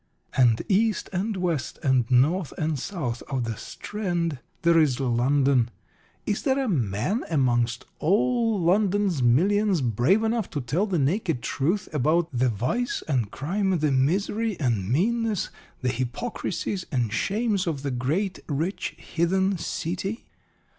And east and west, and north and south of the Strand, there is London. Is there a man amongst all London's millions brave enough to tell the naked truth about the vice and crime, the misery and meanness, the hypocrisies and shames of the great, rich, heathen city?